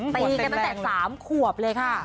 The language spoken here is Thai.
ตีกันตั้งแต่๓ขวบเลยค่ะ